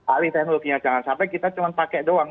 alih teknologinya jangan sampai kita cuma pakai doang